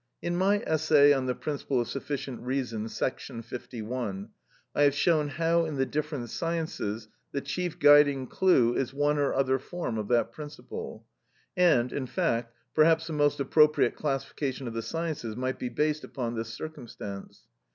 In my essay on the principle of sufficient reason, § 51, I have shown how in the different sciences the chief guiding clue is one or other form of that principle; and, in fact, perhaps the most appropriate classification of the sciences might be based upon this circumstance.